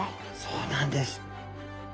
そうなんです。